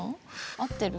合ってる？